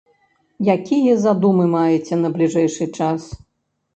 Якія задумы маеце на бліжэйшы час?